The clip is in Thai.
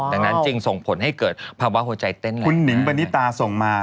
แต่งนั้นจริงส่งผลให้เกิดภาวะหัวใจเต้นแหล่งคุณนิ้งบรรณิตาส่งมา